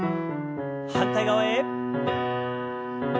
反対側へ。